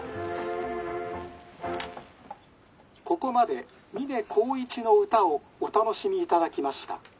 「ここまで三根耕一の歌をお楽しみいただきました」。